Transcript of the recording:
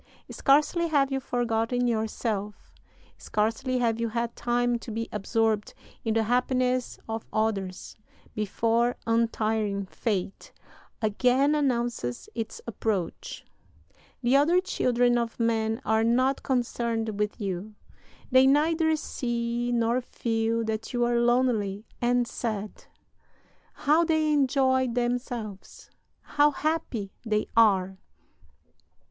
Scarcely have you forgotten yourself, scarcely have you had time to be absorbed in the happiness of others, before untiring Fate again announces its approach. The other children of men are not concerned with you. They neither see nor feel that you are lonely and sad. How they enjoy themselves, how happy they are!